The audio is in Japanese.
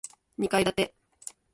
二階建て